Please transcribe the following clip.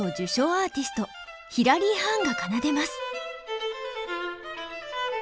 アーティストヒラリー・ハーンが奏でます。